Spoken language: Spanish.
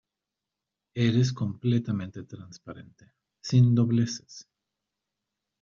eres completamente transparente, sin dobleces.